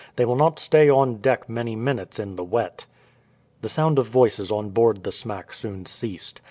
They will not stay on deck many minutes in the wet." The sound of voices on board the smack soon ceased.